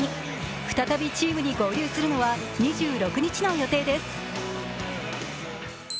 再びチームに合流するのは２６日の予定です。